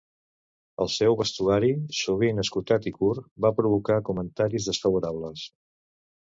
El seu vestuari, sovint escotat i curt, va provocar comentaris desfavorables.